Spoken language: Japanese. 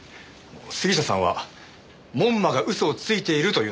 杉下さんは門馬が嘘をついているというんですか？